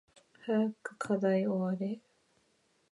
早く課題終われ